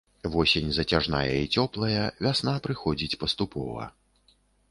Восень зацяжная і цёплая, вясна прыходзіць паступова.